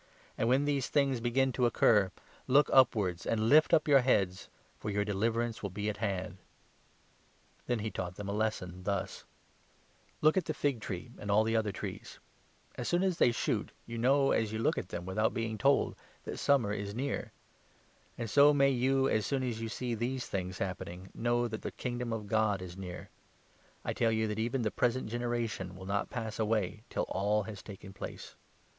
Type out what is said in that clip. And, when these things 28 begin to occur, look upwards and lift your heads, for your deliverance will be at hand." The Need Then he taught them a lesson thus — 29 tor " Look at the fig tree and all the other trees. As 30 Watchfulness, soon as they shoot, you know, as you look at them, without being told, that summer is near. And so 31 may you, as soon as you see these things happening, know that the Kingdom of God is near. I tell you that even 32 the present generation will not pass away till all has taken place.